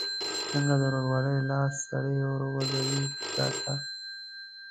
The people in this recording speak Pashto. څنګه د ورورۍ لاس سړی وغځوي چاته؟